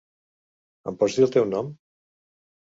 Em pots dir el teu nom?